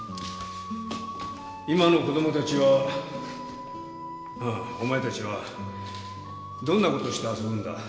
今の子供たちはあぁお前たちはどんなことして遊ぶんだ？